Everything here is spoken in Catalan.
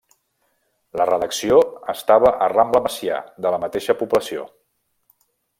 La redacció estava a Rambla Macià de la mateixa població.